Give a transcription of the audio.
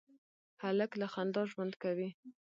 هلک له خندا ژوند کوي.